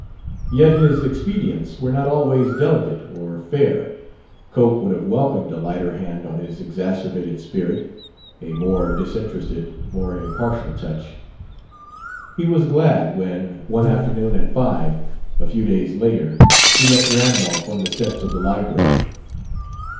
Yet his expedients were not always delicate or fair: Cope would have welcomed a lighter hand on his exacerbated spirit, a more disinterested, more impartial touch. He was glad when, one afternoon at five, a few days later, he met Randolph on the steps of the library.